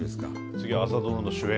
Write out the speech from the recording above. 次は「朝ドラ」の主演